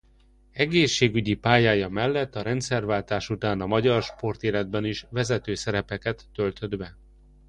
Egészségügyi pályája mellett a rendszerváltás után a magyar sportéletben is vezető szerepeket töltött be.